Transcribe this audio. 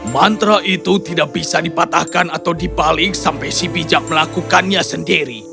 mantra itu tidak bisa dipatahkan atau dibalik sampai si bijak melakukannya sendiri